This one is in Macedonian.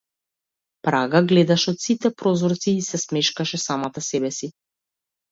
Прага гледаше од сите прозорци и си се смешкаше самата себеси.